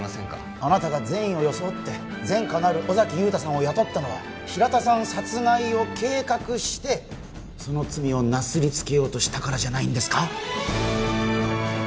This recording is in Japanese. あなたが善意を装って前科のある尾崎雄太さんを雇ったのは平田さん殺害を計画してその罪をなすりつけようとしたからじゃないんですか？